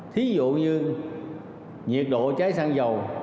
thí dụ như nhiệt độ cháy sang dầu